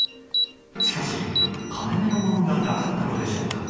しかし、金目の物がなかったのでしょうか。